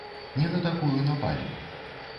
Не на такую напалі.